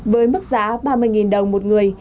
với mức giá ba mươi đồng một người